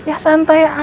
ya santai aja